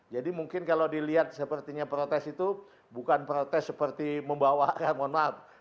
jadi mungkin kalau dilihat sepertinya protes itu bukan protes seperti membawa mohon maaf